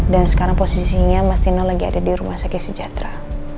dan sekarang posisinya mas tino lagi ada di rumah sakya sejatera